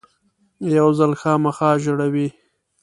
یو ځل خامخا ژړوي .